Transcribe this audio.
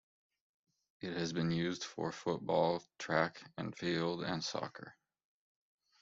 It has been used for football, track and field, and soccer.